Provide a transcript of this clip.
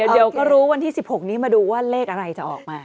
เดี๋ยวก็รู้วันที่๑๖นี้มาดูว่าเลขอะไรจะออกมา